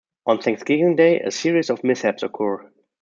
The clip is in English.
On Thanksgiving Day, a series of mishaps occur.